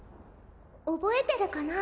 覚えてるかな？